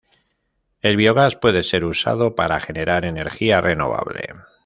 El biogás puede ser usado para generar energía renovable.